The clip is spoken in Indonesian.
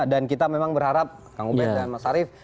dan kita memang berharap kang ubed dan mas arief